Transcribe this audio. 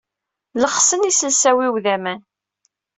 Lexsen yiselsa-iw d aman.